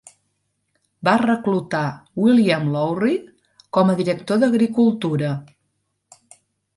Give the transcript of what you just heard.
Va reclutar William Lowrie com a director d'agricultura.